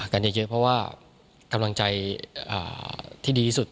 กันเยอะเพราะว่ากำลังใจที่ดีที่สุด